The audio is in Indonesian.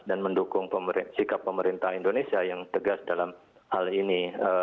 dan mendukung sikap pemerintah indonesia yang tegas dalam hal ini